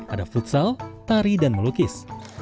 ada futsal tari dan melukis